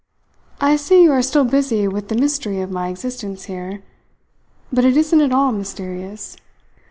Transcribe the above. I see you are still busy with the mystery of my existence here; but it isn't at all mysterious.